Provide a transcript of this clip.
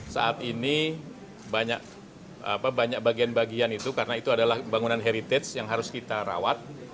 saat ini banyak bagian bagian itu karena itu adalah bangunan heritage yang harus kita rawat